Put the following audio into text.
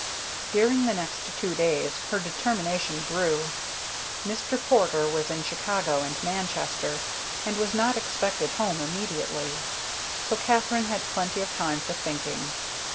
During the next two days her determination grew. Mr. Porter was in Chicago and Manchester, and was not expected home immediately, so Katherine had plenty of time for thinking.